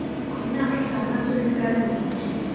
Ku myaka itandatu nibwo yabimeye